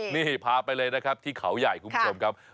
นี่พาไปเลยนะครับที่เขาใหญ่คุณผู้ชมครับ